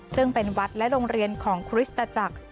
ซึ่งเป็นวัดและโรงเรียนของคริสตจักร